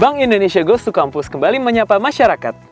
bank indonesia gosu kampus kembali menyapa masyarakat